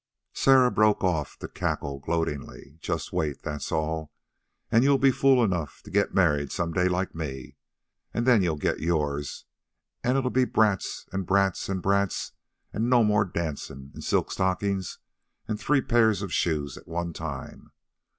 Sarah broke off to cackle gloatingly. "Just wait, that's all, an' you'll be fool enough to get married some day, like me, an' then you'll get yours an' it'll be brats, an' brats, an' brats, an' no more dancin', an' silk stockin's, an' three pairs of shoes at one time.